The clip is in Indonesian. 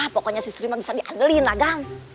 pokoknya si sri mah bisa diadeliin agan